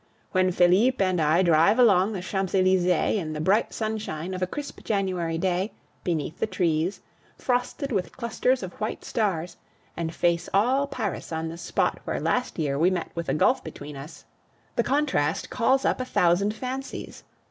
When Felipe and I drive along the Champs Elysees in the bright sunshine of a crisp January day, beneath the trees, frosted with clusters of white stars, and face all Paris on the spot where last year we met with a gulf between us, the contrast calls up a thousand fancies.